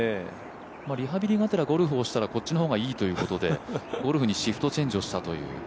リハビリがてらゴルフをしたらこっちの方がいいということでゴルフにシフトチェンジをしたという。